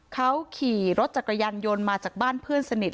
เขาขี่รถจักรยานยนต์มาจากบ้านเพื่อนสนิท